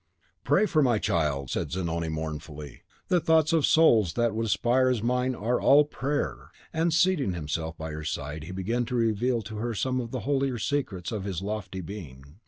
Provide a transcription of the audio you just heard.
"Pray for my child!" said Zanoni, mournfully. "The thoughts of souls that would aspire as mine are All PRAYER!" And, seating himself by her side, he began to reveal to her some of the holier secrets of his lofty being.